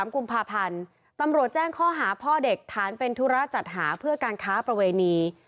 กุมภาพันธ์ตำรวจแจ้งข้อหาพ่อเด็กฐานเป็นธุระจัดหาเพื่อการค้าประเวณี